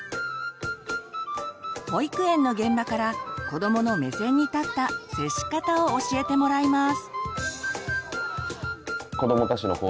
保育園の現場から子どもの目線に立った接し方を教えてもらいます。